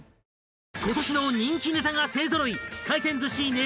［今年の人気ネタが勢揃い！］